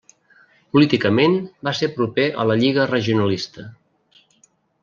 Políticament va ser proper a la Lliga Regionalista.